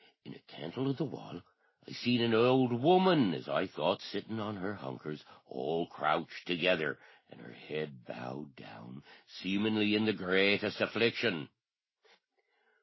in a cantle o' the wall I seen an ould woman, as I thought, sittin' on her hunkers, all crouched together, an' her head bowed down, seemin'ly in the greatest affliction.